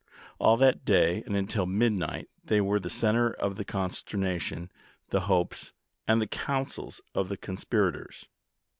All that day and until midnight they were the center of the conster nation, the hopes, and the counsels of the conspir ators.